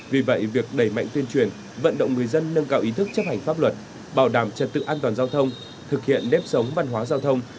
vì vậy việc đẩy mạnh tuyên truyền vận động người dân nâng cao ý thức chấp hành pháp luật bảo đảm chất tự an toàn giao thông